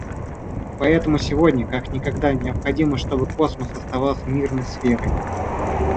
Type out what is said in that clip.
Поэтому сегодня как никогда необходимо, чтобы космос оставался мирной сферой.